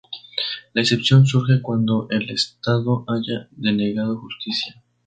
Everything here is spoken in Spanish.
La excepción surge cuando el Estado haya denegado justicia.